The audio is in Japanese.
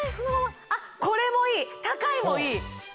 あっこれもいい高いもいい。